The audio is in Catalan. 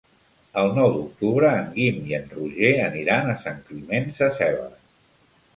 El nou d'octubre en Guim i en Roger aniran a Sant Climent Sescebes.